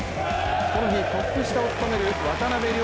この日、トップ下を務める渡邊凌